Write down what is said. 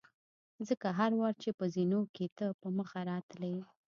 ځکه هر وار چې به په زینو کې ته په مخه راتلې.